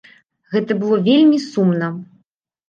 Гэта было вельмі сумна.